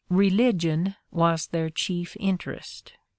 Religion was their chief interest."